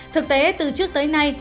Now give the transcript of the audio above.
thực tế từ trước tới nay